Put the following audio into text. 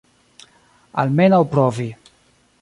Almenaŭ provi.